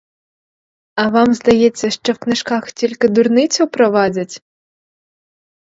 А вам здається, що в книжках тільки дурницю провадять?